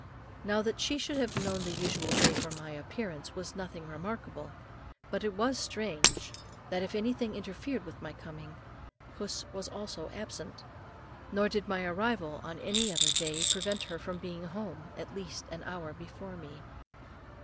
Now that she should have known the usual day for my appearance was nothing remarkable, but it was strange that, if anything interfered with my coming, puss was also absent, nor did my arrival on any other day prevent her from being at home at least an hour before me.